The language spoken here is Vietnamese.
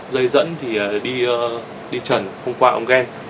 dây dẫn thì đi trần không qua ống gen